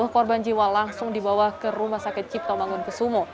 sepuluh korban jiwa langsung dibawa ke rumah sakit cipta mangun kesumo